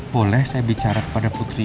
boleh saya bicara kepada putri